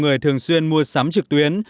người thường xuyên mua sắm trực tuyến